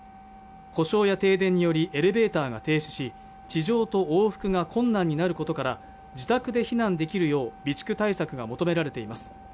故障や停電によりエレベーターが停止し地上と往復が困難になることから自宅で避難できるよう備蓄対策が求められています